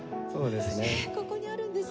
へえここにあるんですね。